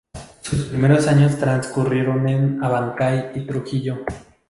Sus primeros años transcurrieron en Abancay y Trujillo.